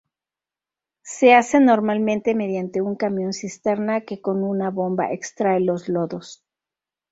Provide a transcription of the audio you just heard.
Se hace normalmente mediante un camión cisterna que con una bomba extrae los lodos.